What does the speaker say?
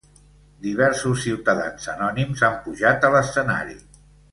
Diversos ciutadans anònims han pujat a l’escenari.